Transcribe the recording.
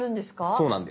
そうなんです。